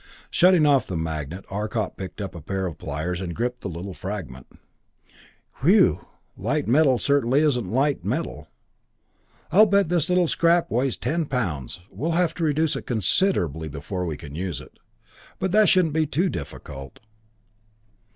Shutting off the magnet, Arcot picked up a pair of pliers and gripped the little fragment. "Whew light metal certainly isn't light metal! I'll bet this little scrap weights ten pounds! We'll have to reduce it considerably before we can use it. But that shouldn't be too difficult."